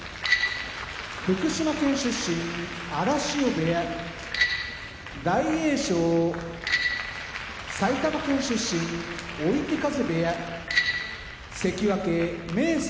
福島県出身荒汐部屋大栄翔埼玉県出身追手風部屋関脇・明生